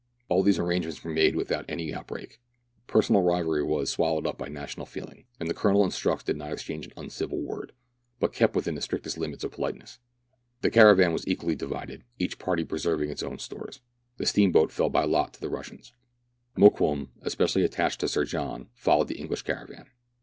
All these arrangements were made without any out break : personal rivalry was, swallowed up by national feeling, and the Colonel and Strux did not exchange an uncivil word, but kept within the strictest limits of politeness. The caravan was equally divided, each party preserving its own stores. The steam boat fell by lot to the Russians. Mokoum, especially attached to Sir John, followed the English caravan.